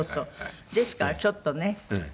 ですからちょっとね。